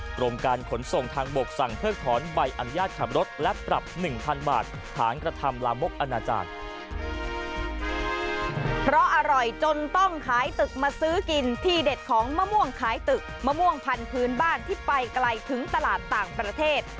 เพราะอร่อยจนต้องขายตึกมาซื้อกินที่เด็ดของมะม่วงขายตึกมะม่วงพันธุ์พื้นบ้านที่ไปไกลถึงตลาดต่างประเทศ